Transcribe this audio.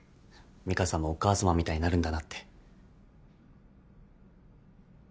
美香さんもお母さまみたいになるんだなって。